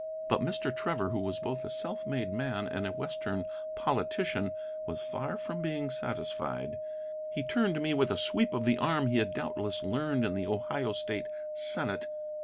But Mr. Trevor, who was both a self made man and a Western politician, was far from being satisfied. He turned to me with a sweep of the arm he had doubtless learned in the Ohio State Senate.